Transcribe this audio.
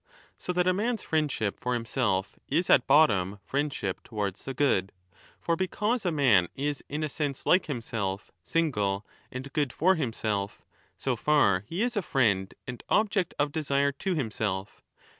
So that a man's friendship for himself is at bottom friendship towards the good ; for because a man is in a sense like himself,^ single, and good for himself, so far 30 he is a friend and object of desire to himself.